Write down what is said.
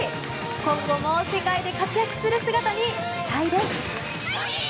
今後も世界で活躍する姿に期待です。